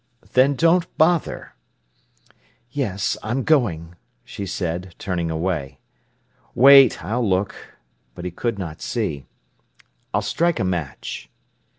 "Then don't bother." "Yes; I'm going!" she said, turning away. "Wait! I'll look!" But he could not see. "I'll strike a match."